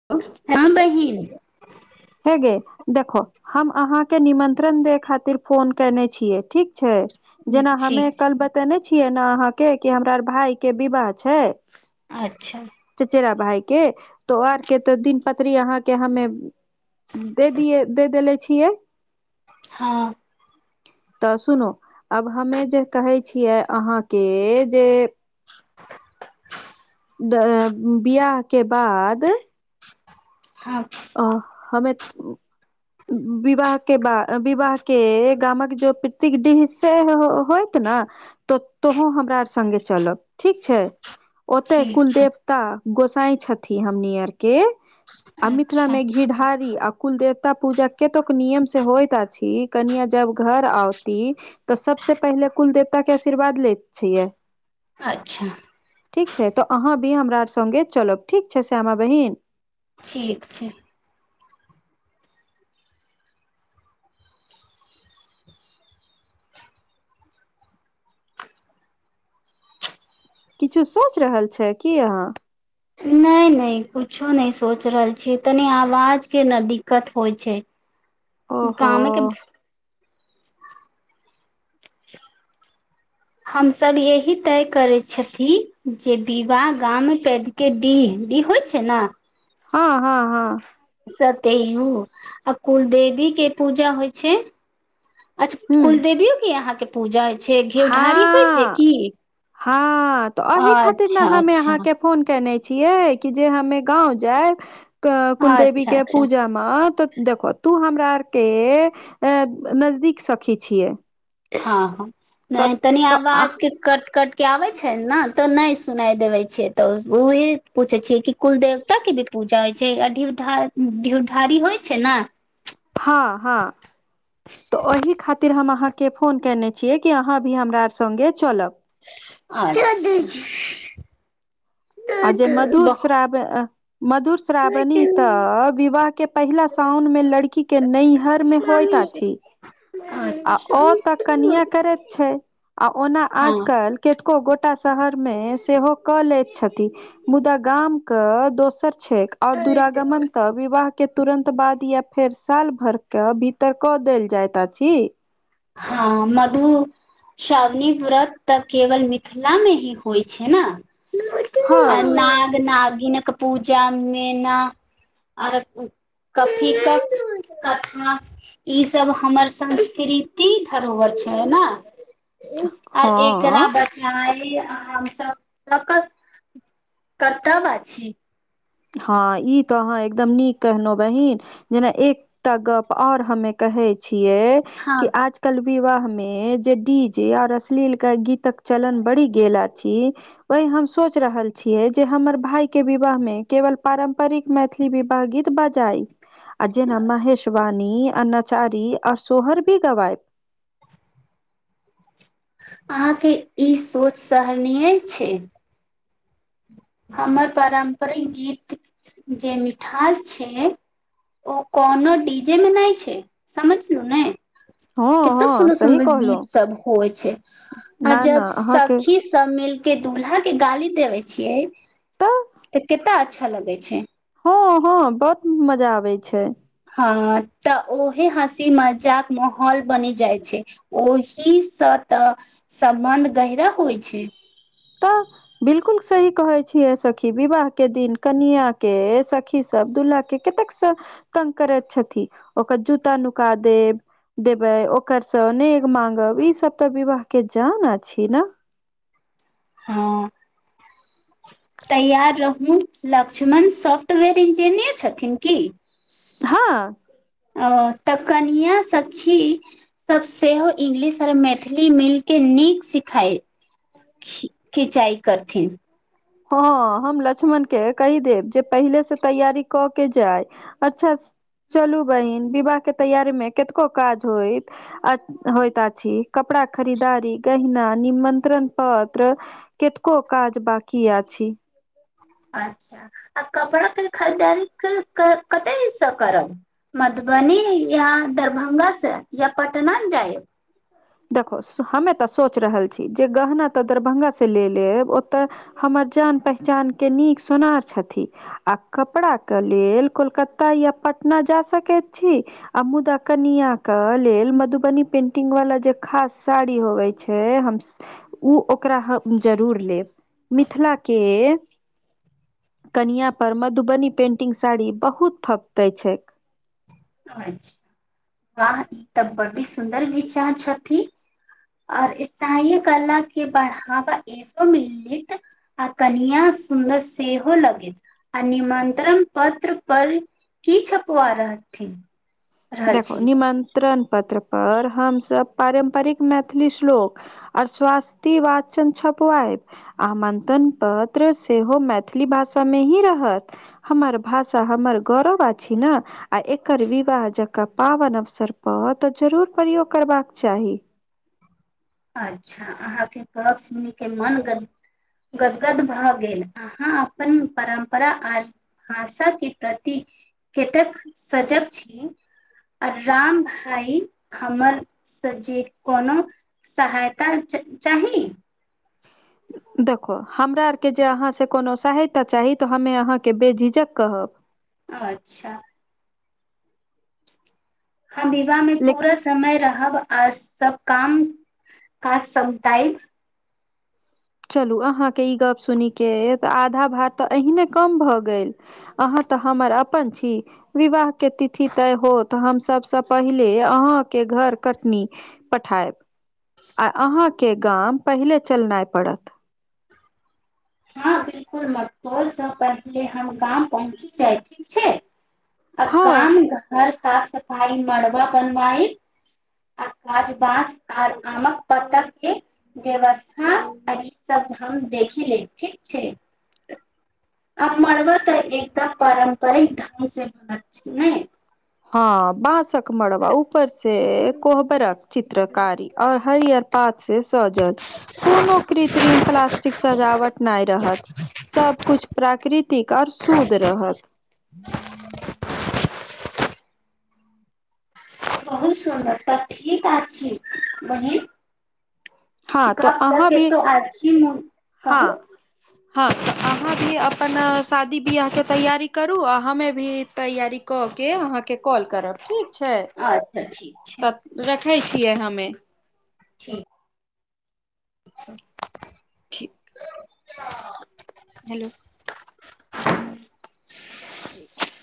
[inaudible] हँ बहिन हेगै देखो हम अहाँके निमंत्रण देय खातिर फोन केने छियै ठीक छै जेना हमे ठीक छै कल बतेने छियै ने अहाँके कि हमरा भाय के विवाह छै अच्छा चचेरा भाय के तो आर के तऽ दिन पतरी अहाँके हमे दे दिये दे देेले छियै हँ तऽ सुनू अब हमे जे कहैय छियै अहाँके जे [inaudible] दऽ बिआह के बाद हँ अ हमे विवाह के बाद विवाह के गामक जो पित्ति केँ डिह से होयइत न त तोहूँ हमरा आर सङ्गे चलब ठीक छै ओतै ठीक कुल छै देवता गोसाई छथि हमनी आर के आ मिथिला अच्छा मे घिढारी आ कुल देवता पूजा केतेक नियम से होइत अछि कनिया जब घर आऔती तऽ सबसे पहिले कुल देवता के आशीर्वाद लेत छियै अच्छा ठीक छै त अहाँ भी हमरा आर सँगे चलब ठीक छै श्यामा बहिन ठीक छै किछो सोच रहल छियै की अहाँ नय नय कुछो नय सोच रहल छी तनी आवाज के न दिक्कत होइ छै [inaudible] गामे के हम सभ यही तय करै छथि जे विवाह गाम के डीह डीह होइ छै न हँ हँ हँ सतेयू आ कुल देेवी के पूजा होइ छै अच्छा हूँ कुल देेवियो केँ अहाँ के पूजा होइ छै घेउ ढारी होइ छै की हँ तऽ एही खातिर ने अच्छा हमे अच्छा अहाँके फोन केने छियै कि जे हमे गांव जायब तऽ कुलदवी अच्छा केँ अच्छा पूजा मे हंऽ त देखो तू हमरा आर के अ नजदीक सखी छिय हँ हँ नय तनी तऽ आवाज केँ कट कटके आबै छनि न तऽ नय सुनाई देबै छै तऽ ओह पूछै छियै कि कुलदेव देवता के भी पूजा होइ छै ढीव ढ़ारी ढीव ढारी होइ छै न हँ हँ तऽ ओहि खातिर हम अहाँके फोन कयने छियै कि अहाँ भी हमरा आर सङ्गे चलब अच्छा [unintelligible] आ जे मधुर श्रा मधुर श्रावणी त विवाह के पहिला साउन मे लड़की के नहिर मे होयत अछि आ ओ तऽ कनिए करति छै आ ओना आज हँ कल केतको गोटा शहर मे सेहो कऽ लति छथि मुदा गाम कऽ दोसर क्षेक आओर दुरागमन तक विवाह के तुरन्त बाद या फेर साल भरके भीतर कऽ देल जाइत अछि हँ मधु श्रावणी व्रत तऽ केवल मिथिला मे ही होइ छै ने हँ नाग नागिनक पूजा मेना आओर कथी तक तथा ई सब हमर संस्कृ ती धरोहर छैै न आर एकरा हँ बाद च आ ई हम सभ कर्तव्य आछि हँ ई तऽ अहाँ एकदम नीक कहनउ बहीन जेना एकटा गप आओर हमे कहै छियै हँ कि आज कल विवाह मे जे डी जे और अश्लील के गीतक चलन बढ़ि गेल अछि वही हम सोच रहल छियै जे हमर भाय के विवाह मे केवल पारम्परिक मैथिली विवाह गीत बजाइ आ जेना महेेशवानी आ नाचारी आओर शोहर भी गवाईव अहाँके ई सोच सहनीय छै हमर पारम्परिक गीत जे मिठास छै ओ कोनो डी जेे मे नय छै समझलु ने हँ केते हँ सुन्दर सही सुन्दर गीत कहलहुँ सब होइ छै न आ न जब अहाँके सखी सब मिल के दुल्हा के गाली देवे छियै तऽ केता अच्छा लगै छै हँ हँ बहुत मजा आबै छै हं तऽ ओहे हँसी मजाक माहौल बनि जाइ छै ओहिसँ तऽ सम्बन्ध गहरा होइ छै तऽ बिलकुल सही कहै छी सखी विवाह के दिन कनिया के सखी सब दुल्हा के कतेक स तंग करै छथि ओकर जूता नुका देव देबै ओकर सँ नेघ मांगब ई सब तऽ विवाह के जान अछि ने हँ तैयार रहू लक्ष्मण सॉफ्टवेयर इंजीनियर छथिन की हँ अ तऽ कनिया सखी सब सेहो इंग्लिश आओर मैथिली मिल के नीक सिखाय खि खिचाइ करथिन हँ हम लक्ष्मण के कहि देब जे पहिले से तैयारी कऽ के जाय अच्छा चलू बहिन विवाह के तैयारी मे कतको काज होय आ होइत अछि कपड़ा खरीदारी गहिना निमत्रण पत्र केतको काज बाकी आछी अच्छा आ कपड़ा के खरीदारी [unintelligible] करब मधुबनी या दरभंगा से या पटना जायब देखो हमे तऽ सोच रहल छी जे गहना तऽ दरभंगास से ले लेब ओतय हमर जान पहचानके नीक सोनार छथिन आ कपड़ा के लेल कोलकत्ता या पटना जा सकति छी आ मुदा कनिया क लेल मधुबनी पेंटिंग वाला जे खास साड़ी होबै छै हम उ ओकरा हम जरूर लेब मिथिला के कनिआँ पर मधुबनी पेन्टिंग साड़ी बहुत फँपतै छै अछि वाह ई तऽ बडी सुन्दर विचार छथि आर स्थाय कला के बढ़ावा एसो मिलित आ कनिआ सुन्दर सेहो लगति आ निमंत्रण पत्र पर की छपवा रहथिन रहल देखो छी निमंत्रण पत्र पर हम सब पारम्परिक मैथिली श्लोक आर स्वास्ति वाचन छपवायब आमन्त्रण पत्र सेहो मैथिली भाषा मे ही रहत हमर भाषा हमर गौरव आछि न आ एकर विवाह ज क पाबन अवसर पऽ तऽ जरूर प्रयोग करबाक चाही अच्छा अहाँके गप सुनी के मन ग गदगद भऽ गेल अहाँ अपन परम्परा आ भाषा के प्रति कतेक सजग छी आ राम भई हमन से जे कोनो सहायता च चाही ह देखो हमरा आरके जे अहाँसे कोनो सहायता चाही तऽ हमे अहाँके बेझिझक कहब अच्छा हम विवाह मे लेकिन पूरा समय रहब आ सब काम काज समटाइब चलू अहाँके ई गप सुनिके तऽ आधा भार तऽ अहिने कम भऽ गेल अहाँ तऽ हमर अपन छी विवाह के तिथि तय होत हम सबसँ पहिले अहांके घर कतनी पठायब आ अहांके गाम पहिले चलनाइ पड़त हँ बिलकुल मटो से पहले हम गाम पहुँची जाय ठीक छै आ हँ। गाम घर साफ सफाइ मरबा बनवाइ आ काज बाँस आर आमक पत्तर के व्यवस्था आ ई सब हम देखि लेब ठीक छै आ मरबो तऽ एकटा पारम्परिक ढंग से बात छै ने हँ बांसक मड़बा ऊपर से कोहबरक चित्रकारी आओर हरिअर पात से सजल कोनो कृत्रिम प्लास्टिक सजावट नय रहत सब किछ प्राकृतिक आओर शुद्ध रहत [unintelligible] बहुत सुन्दर तऽ ठीक आछि बहिन हँ तो गप त अहाँ भी केतऽ आछी नय कहू हँ हँ अहाँ भी अपन शादी बियाह के तैयारी करू आ हमे भी तैयारी कऽ के अहाँके कॉल करब ठीक छै अच्छा ठीक छै रखै छियै हमे ठीक छी ठीक हेलो एक